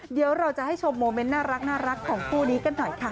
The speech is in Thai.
เดี๋ยวเราจะให้ชมโมเมนต์น่ารักของคู่นี้กันหน่อยค่ะ